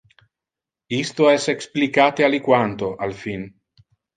Isto es explicate aliquanto al fin.